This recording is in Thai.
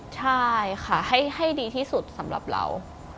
ใช่ค่ะให้ดีที่สุดสำหรับเรา